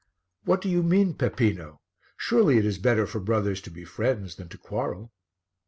"What do you mean, Peppino? Surely it is better for brothers to be friends than to quarrel?"